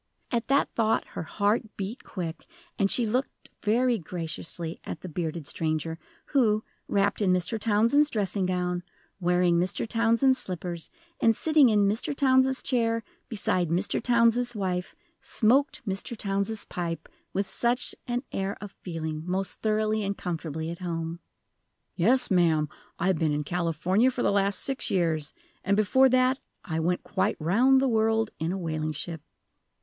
At that thought her heart beat quick, and she looked very graciously at the bearded stranger, who, wrapped in Mr. Townsend's dressing gown, wearing Mr. Townsend's slippers, and sitting in Mr. Townsend's chair, beside Mr. Townsend's wife, smoked Mr. Townsend's pipe with such an air of feeling most thoroughly and comfortably at home! "Yes, ma'am. I've been in California for the last six years. And before that I went quite round the world in a whaling ship!"